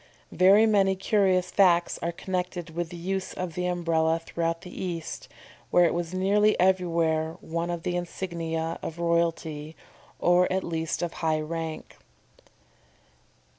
Very many curious facts are connected with the use of the Umbrella throughout the East, where it was nearly everywhere one of the insignia of royalty, or at least of high rank.